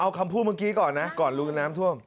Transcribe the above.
เอาคำพูดเมื่อกี้ก่อนนะก่อนลุยน้ำท่วม